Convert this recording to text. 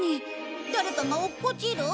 誰かが落っこちる？